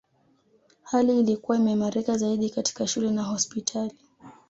Hali ilikuwa imeimarika zaidi katika shule na hospitali